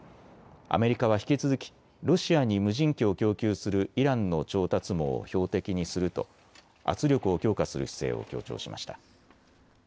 アメリカは引き続きロシアに無人機を供給するイランの調達網を標的にすると圧力を強化する姿勢を強調しました。